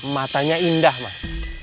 matanya indah mas